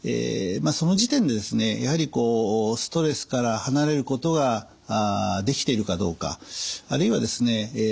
その時点でですねやはりストレスから離れることができているかどうかあるいはですね